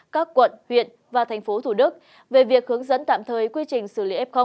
các quận huyện và thành phố thủ đức về việc hướng dẫn tạm thời quy trình xử lý f